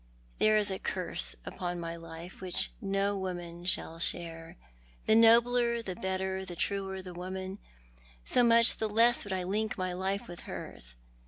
There is a curse upon my life which no woman shall share. The nobler, the better, the truer the woman, so much the less would I link my life with hers.